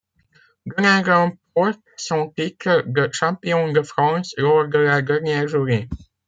Denain remporte son titre de Champion de France lors de la dernière journée.